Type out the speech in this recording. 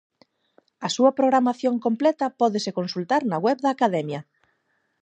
A súa programación completa pódese consultar na web da Academia.